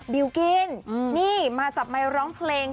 บิลกิ้นนี่มาจับไมค์ร้องเพลง